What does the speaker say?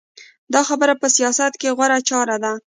دا خبره په سیاست کې غوره چاره ده.